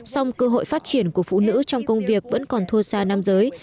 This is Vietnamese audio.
song cơ hội phát triển của phụ nữ trong công việc vẫn còn thua xa nam giới